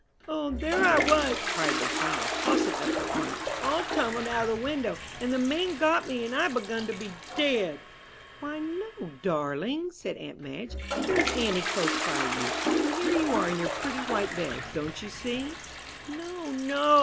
"O, there I was!" cried the child, tossing up her arms, "all tumbled out of the window! And the man got me, and I begun to be dead!" "Why no, darling!" said aunt Madge, "here is auntie close by you, and here you are in your pretty white bed; don't you see?" "No, no!"